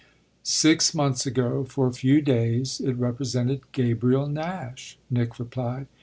"Six months ago, for a few days, it represented Gabriel Nash," Nick replied.